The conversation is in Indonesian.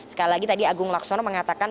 sekali lagi tadi agung laksono mengatakan